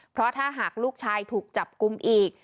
ขอถ้าหากลูกชายถูกกล้มอีก